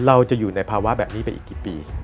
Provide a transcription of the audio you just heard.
เราจะอยู่ในภาวะแบบนี้ไปอีกกี่ปี